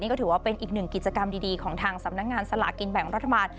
ก็ถือว่าเป็นอีกหนึ่งกิจกรรมดีของทางสำนักงานสลากินแบ่งรัฐบาล